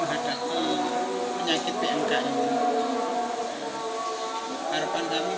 untuk menghadapi penyakit pmk ini